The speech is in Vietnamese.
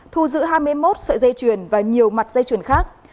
thu giữ hai mươi một sợi dây chuyền và nhiều mặt dây chuyền khác